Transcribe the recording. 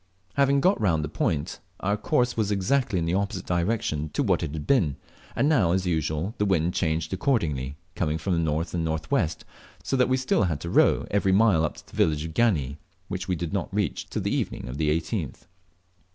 Having got round the point our course was exactly in the opposite direction to what it had been, and now, as usual, the wind changed accordingly, coming from the north and north west, so that we still had to row every mile up to the village of Gani, which we did not reach till the evening of the 18th.